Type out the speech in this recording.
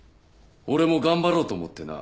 俺も頑張ろうと思ってな。